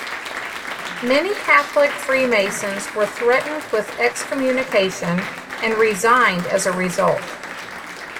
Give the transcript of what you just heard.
Many Catholic Freemasons were threatened with excommunication, and resigned as a result.